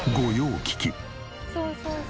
そうそうそう。